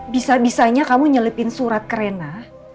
bisa bisanya kamu nyelepin surat ke rena